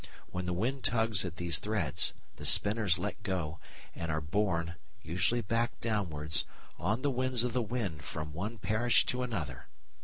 When the wind tugs at these threads, the spinners let go, and are borne, usually back downwards, on the wings of the wind from one parish to another.